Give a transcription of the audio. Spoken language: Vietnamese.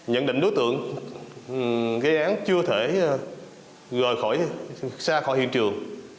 nhận định đối tượng gây án chưa thể rời khỏi xa khỏi hiện trường